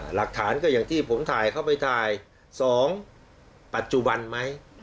หลักฐานก็อย่างที่ผมถ่ายเข้าไปถ่าย๒ปัจจุบันไหม